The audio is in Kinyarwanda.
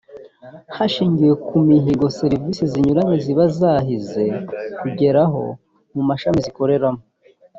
hashingiwe ku mihigo serivisi zinyuranye ziba zahize kugeraho mu mashami zikoreramo